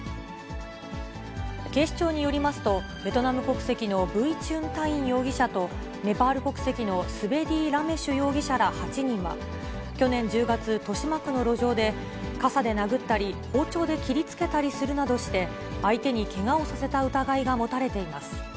警視庁によりますと、ベトナム国籍のブイ・チュン・タイン容疑者と、ネパール国籍のスベディー・ラメシュ容疑者ら８人は、去年１０月、豊島区の路上で、傘で殴ったり、包丁で切りつけたりするなどして、相手にけがをさせた疑いが持たれています。